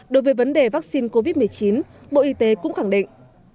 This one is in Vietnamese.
đối với vấn đề vaccine covid một mươi chín bộ y tế cũng khẳng định